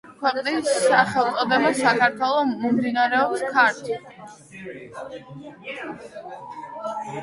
ქვეყნის სახელწოდება „საქართველო“ მომდინარეობს „ქართ“